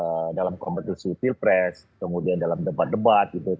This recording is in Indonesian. kemudian dalam kompetisi sivil pres kemudian dalam debat debat